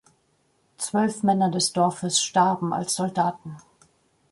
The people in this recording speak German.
Zwölf Männer des Dorfes starben als Soldaten.